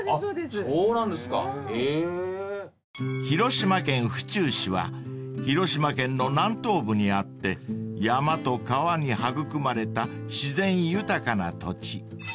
［広島県府中市は広島県の南東部にあって山と川に育まれた自然豊かな土地］